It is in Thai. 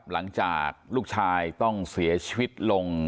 หลังจากลูกชายต้องเสียชีวิตลง